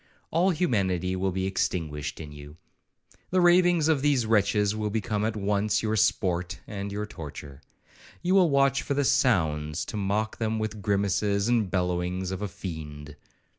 All humanity will be extinguished in you. The ravings of these wretches will become at once your sport and your torture. You will watch for the sounds, to mock them with the grimaces and bellowings of a fiend.